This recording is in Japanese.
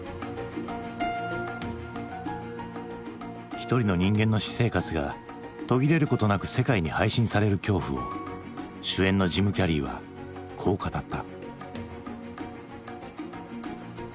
一人の人間の私生活が途切れることなく世界に配信される恐怖を主演のジム・キャリーはこう語った。